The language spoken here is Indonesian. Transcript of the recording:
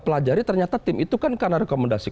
pelajari ternyata tim itu kan karena rekomendasi